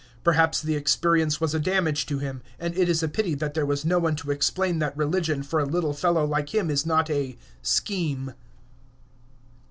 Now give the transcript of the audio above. Perhaps the experience was a damage to him; and it is a pity that there was no one to explain that religion for a little fellow like him is not a "scheme."